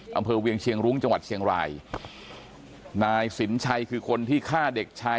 อำเภอเวียงเชียงรุ้งจังหวัดเชียงรายนายสินชัยคือคนที่ฆ่าเด็กชาย